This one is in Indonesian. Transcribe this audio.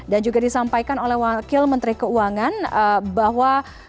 dan juga disampaikan oleh wakil menteri keuangan bahwa